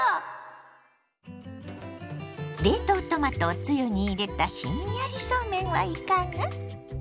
冷凍トマトをつゆに入れたひんやりそうめんはいかが？